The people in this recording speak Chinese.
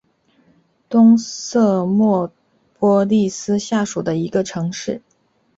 东瑟莫波利斯下属的一座城市。